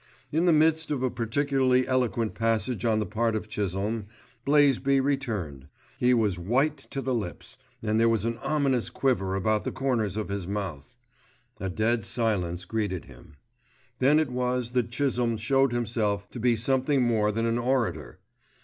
In the midst of a particularly eloquent passage on the part of Chisholme, Blaisby returned. He was white to the lips, and there was an ominous quiver about the corners of his mouth. A dead silence greeted him. Then it was that Chisholme showed himself to be something more than an orator.